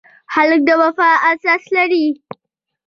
هلک د وفا احساس لري.